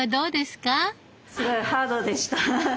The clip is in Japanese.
すごいハードでした。